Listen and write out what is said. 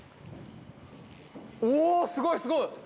おすごいすごい。